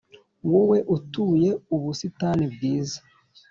Wowe utuye ubusitani bwiza